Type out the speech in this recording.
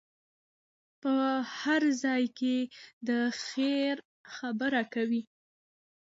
په هر ځای کې د خیر خبره کوئ.